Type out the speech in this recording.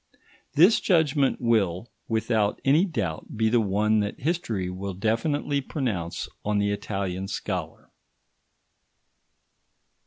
This judgment will, without any doubt, be the one that history will definitely pronounce on the Italian scholar.